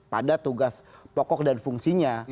pada tugas pokok dan fungsinya